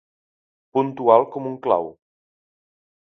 Puntual com un clau.